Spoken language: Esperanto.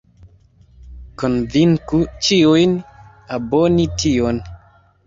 Konvinku ĉiujn aboni tion